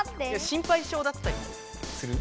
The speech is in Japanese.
心配性だったりする？